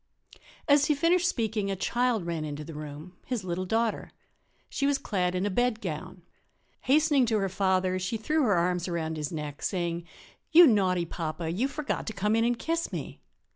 As he finished speaking, a child ran into the room his little daughter. She was clad in a bedgown. Hastening to her father she threw her arms about his neck, saying: "You naughty papa, you forgot to come in and kiss me.